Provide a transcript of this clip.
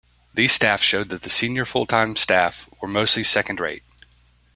These staff showed that the senior full-time staff were mostly second-rate.